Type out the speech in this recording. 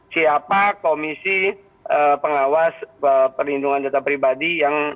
siapa komisi pengawas perlindungan data pribadi yang